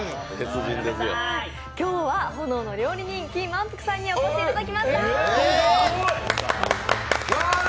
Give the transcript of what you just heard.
今日は炎の料理人、金萬福さんにお越しいただきました。